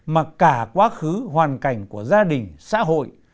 mà cả quá khứ hoàn cảnh của gia đình sản phẩm của gia đình